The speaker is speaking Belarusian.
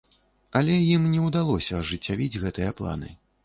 Але ім не ўдалося ажыццявіць гэтыя планы.